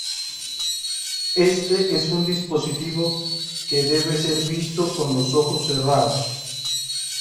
Este es un dispositivo que debe ser visto con los ojos cerrados.